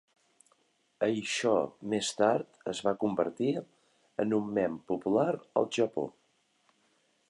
Això més tard es va convertir en un mem popular al Japó.